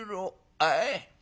あい。